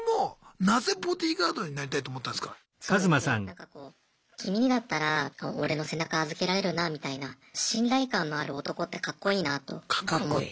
なんかこう君にだったら俺の背中預けられるなみたいな信頼感のある男ってカッコいいなあと思って。